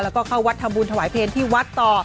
แล้วก็เข้าวัดทำบุญถวายเพลงที่วัดต่อ